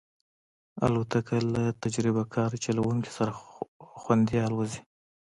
الوتکه له تجربهکار چلونکي سره خوندي الوزي.